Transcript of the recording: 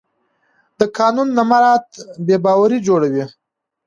د قانون نه مراعت بې باوري جوړوي